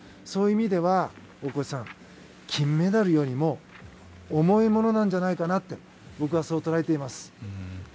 そういう意味では、大越さん金メダルよりも重いものなんじゃないかなって僕はそう捉えています。